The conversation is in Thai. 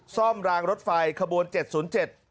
ซ่อมรางรถไฟขบวน๗๐๗